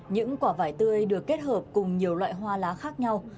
những quả vải tươi được kết hợp cùng nhiều loại hoa lá khác nhau